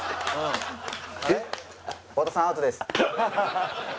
太田さんアウトです。